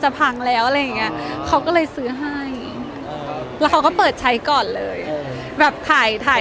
พังแล้วอะไรอย่างเงี้ยเขาก็เลยซื้อให้แล้วเขาก็เปิดใช้ก่อนเลยแบบถ่ายถ่าย